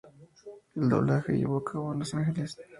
El doblaje se llevó a cabo en Los Ángeles.